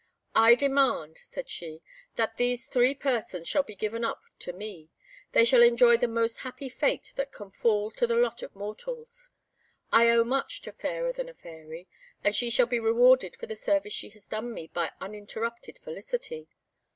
"I demand," said she, "that these three persons shall be given up to me; they shall enjoy the most happy fate that can fall to the lot of mortals. I owe much to Fairer than a Fairy, and she shall be rewarded for the service she has done me by uninterrupted felicity.